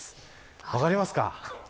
分かりますか。